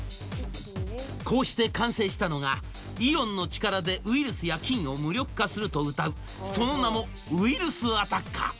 こうして完成したのがイオンの力でウイルスや菌を無力化するとうたうその名も、ウィルスアタッカー。